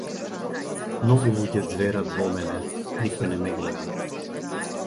Многу луѓе ѕверат во мене, никој не ме гледа.